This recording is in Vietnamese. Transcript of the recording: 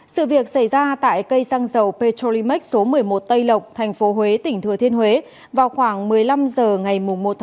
sự việc xảy ra tại cây xăng dầu petrolimax số một mươi một tây lộc tp huế tỉnh thừa thiên huế vào khoảng một mươi năm h ngày một một mươi